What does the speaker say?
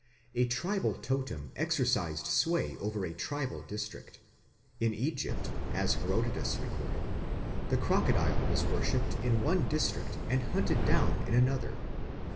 " A tribal totem exercised sway over a tribal district. In Egypt, as Herodotus recorded, the crocodile was worshipped in one district and hunted down in another.